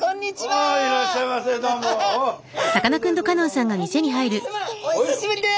おっ久しぶりです。